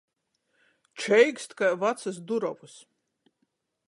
Čeikst kai vacys durovys.